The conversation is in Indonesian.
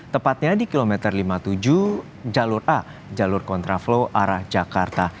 tepatnya di kilometer lima puluh tujuh jalur a jalur kontraflow arah jakarta